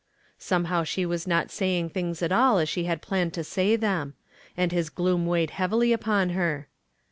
Somehow she was not saying things at all as she had planned to say them. And his gloom weighed heavily upon her.